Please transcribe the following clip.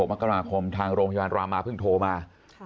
มกราคมทางโรงพยาบาลรามาเพิ่งโทรมา